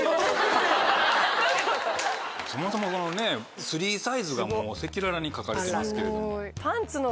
そもそもスリーサイズが赤裸々に書かれてますけれども。